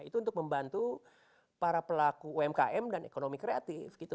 itu untuk membantu para pelaku umkm dan ekonomi kreatif gitu